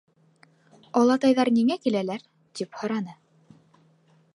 — Олатайҙар ниңә киләләр? — тип һораны.